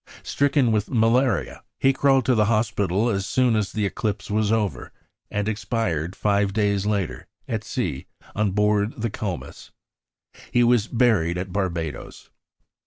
Stricken with malaria, he crawled to the hospital as soon as the eclipse was over, and expired five days later, at sea, on board the Comus. He was buried at Barbados.